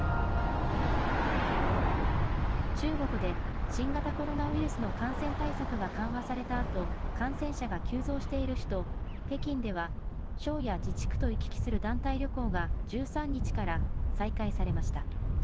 中国で新型コロナウイルスの感染対策が緩和されたあと、感染者が急増している首都、北京では、省や自治区とを行き来する団体旅行が１３日から再開されました。